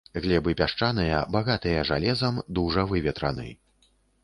Глебы пясчаныя, багатыя жалезам, дужа выветраны.